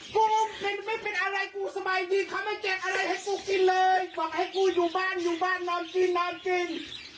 กูไม่เป็นอะไรกูสบายดีเขาไม่เก็บอะไรให้กูกินเลยบอกให้กูอยู่บ้านอยู่บ้านนอนกินนอนกิน